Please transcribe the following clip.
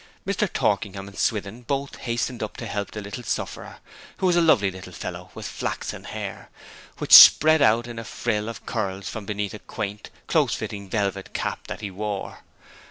Mr. Torkingham and Swithin both hastened up to help the sufferer, who was a lovely little fellow with flaxen hair, which spread out in a frill of curls from beneath a quaint, close fitting velvet cap that he wore.